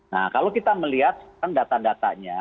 nah kalau kita melihat sekarang data datanya